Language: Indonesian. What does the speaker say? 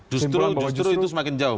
justru itu semakin jauh